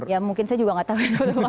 ya mungkin saya juga nggak tahu